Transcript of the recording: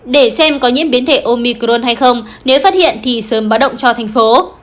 để xem có nhiễm biến thể omicron hay không nếu phát hiện thì sớm báo động cho thành phố